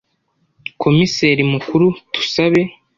Komiseri Mukuru Tusabe